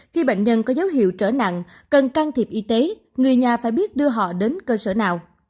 khi bệnh nhân có dấu hiệu trở nặng cần can thiệp y tế người nhà phải biết đưa họ đến cơ sở nào